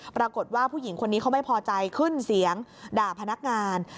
ปรากฏว่าผู้หญิงคนนี้เขาไม่พอใจขึ้นเสียงด่าพนักงาน